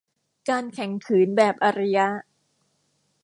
การแข็งขืนแบบอารยะ